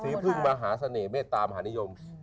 พึ่งมหาเสน่หมเมตตามหานิยม